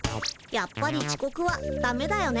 やっぱりちこくはダメだよね。